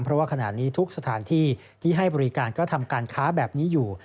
เพราะว่าขณะนี้ทุกสถานที่ที่ให้บริการก็ทำการค้าแบบนี้อยู่